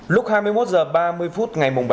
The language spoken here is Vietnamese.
lúc hai mươi một h ba mươi phút ngày mùng bốn